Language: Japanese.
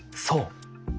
そう。